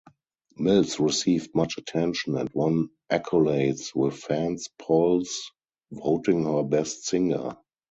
Mills received much attention and won accolades with fans polls voting her best singer.